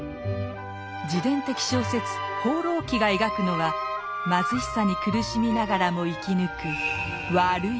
自伝的小説「放浪記」が描くのは貧しさに苦しみながらも生き抜く「悪い」